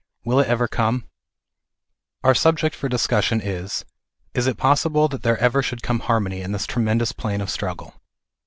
Will it ever come ? Our subject for discussion is, is it possible that there ever should come harmony in this tremendous plane of struggle